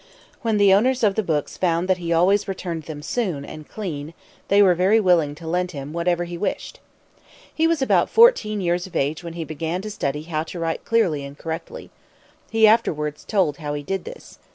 When the owners of books found that he always returned them soon and clean, they were very willing to lend him whatever he wished. He was about fourteen years of age when he began to study how to write clearly and correctly. He afterwards told how he did this.